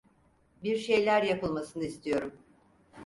Bir şeyler yapılmasını istiyorum!